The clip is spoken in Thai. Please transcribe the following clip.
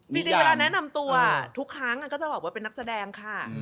จริงเวลาแนะนำตัวทุกครั้งก็จะบอกว่าเป็นนักแสดงค่ะ